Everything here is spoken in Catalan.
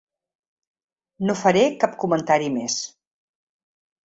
No faré cap comentari més.